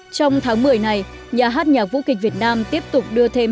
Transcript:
trong tháng một mươi này nhà hát nhạc vũ kịch việt nam tiếp tục đưa thêm